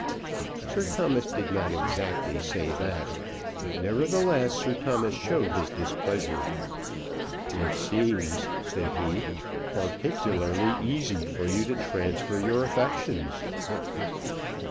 Sir Thomas did not exactly say that; but, nevertheless, Sir Thomas showed his displeasure. "It seems," said he, "particularly easy to you to transfer your affections."